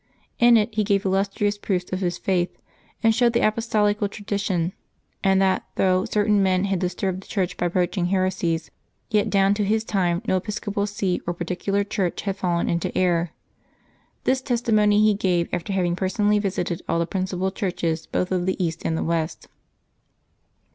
In it he gave illustrious proofs of his faith, and showed the apostolical tradition, and that though certain men had disturbed the Church by broaching heresies, yet down to his time no episcopal see or particular church had fallen into error. This testimony he gave after having personally visited all the principal churches, both of the East and the West.